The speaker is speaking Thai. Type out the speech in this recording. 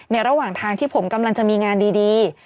ระหว่างทางที่ผมกำลังจะมีงานดี